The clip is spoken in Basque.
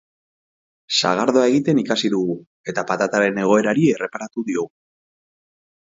Sagardoa egiten ikasi dugu eta patataren egoerari erreparatu diogu.